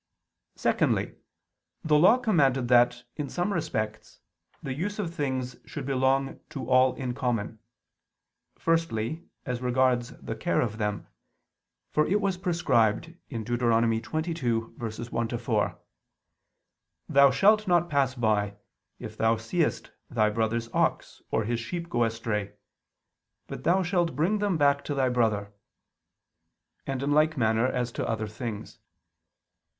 Secondly, the Law commanded that, in some respects, the use of things should belong to all in common. Firstly, as regards the care of them; for it was prescribed (Deut. 22:1 4): "Thou shalt not pass by, if thou seest thy brother's ox or his sheep go astray; but thou shalt bring them back to thy brother," and in like manner as to other things.